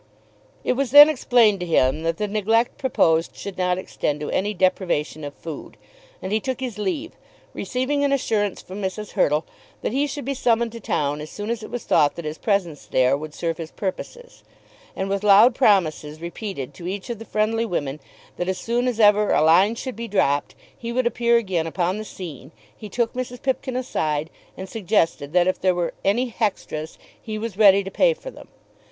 It was then explained to him that the neglect proposed should not extend to any deprivation of food, and he took his leave, receiving an assurance from Mrs. Hurtle that he should be summoned to town as soon as it was thought that his presence there would serve his purposes; and with loud promises repeated to each of the friendly women that as soon as ever a "line should be dropped" he would appear again upon the scene, he took Mrs. Pipkin aside, and suggested that if there were "any hextras," he was ready to pay for them.